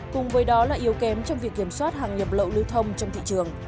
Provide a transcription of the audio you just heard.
cùng với đó là yếu kém trong việc kiểm soát hàng nhập lậu lưu thông trong thị trường